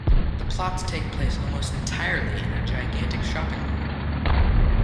The plots take place almost entirely in a gigantic shopping mall.